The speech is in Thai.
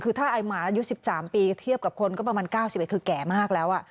คือถ้าไอ้หมาอายุ๑๓ปีเทียบกับคนก็ประมาณ๙๑คือแก่มากแล้ว